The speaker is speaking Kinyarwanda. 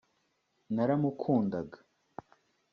Naramukundaga